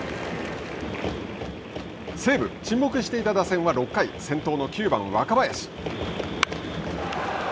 西武、沈黙していた打線は６回、先頭の９番若林。